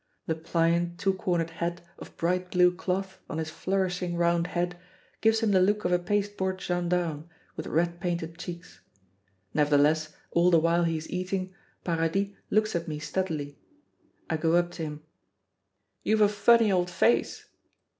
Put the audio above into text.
The pliant two cornered hat of bright blue cloth on his flourishing round head gives him the look of a pasteboard gendarme with red painted cheeks. Nevertheless, all the while he is eating, Paradis looks at me steadily. I go up to him. "You've a funny old face."